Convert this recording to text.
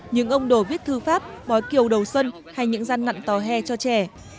những ông đồ viết thư pháp bói kiều đầu xuân hay những gian nặn tòa hè cho trẻ